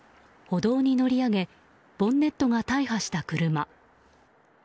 歩道に乗り上げボンネットが大破した車。